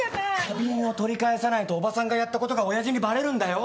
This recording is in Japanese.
花瓶を取り返さないと叔母さんがやったことが親父にバレるんだよ？